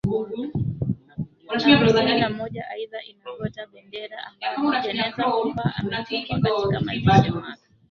hamsini na moja Aidha ina gota bendera ambamo jeneza Hoover amefungwa katika mazishiMwaka